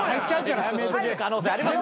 入る可能性ありますよ。